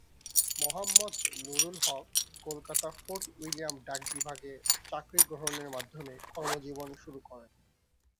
Mohammad Nurul Haque Kolkata Fort William ডাক বিভাগে চাকুরী গ্রহণের মাধ্যমে কর্ম জীবন শুরু করেন।